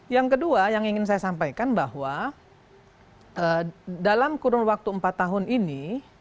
yang kedua yang ingin saya sampaikan bahwa dalam kurun waktu empat tahun ini